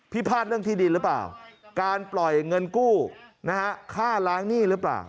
พาทเรื่องที่ดินหรือเปล่าการปล่อยเงินกู้ค่าล้างหนี้หรือเปล่า